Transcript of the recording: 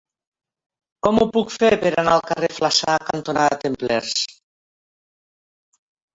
Com ho puc fer per anar al carrer Flaçà cantonada Templers?